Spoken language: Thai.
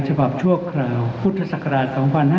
ชั่วคราวพุทธศักราช๒๕๕๙